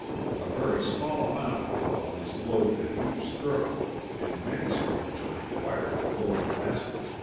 A very small amount of pollen is loaded at each stroke and many strokes are required to load the baskets completely.